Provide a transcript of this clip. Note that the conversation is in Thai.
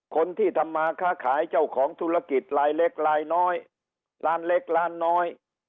คนที่ทำมาค้าขายเจ้าของธุรกิจลายเล็กลายน้อยร้านเล็กร้านน้อย